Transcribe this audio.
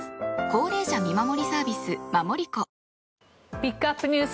ピックアップＮＥＷＳ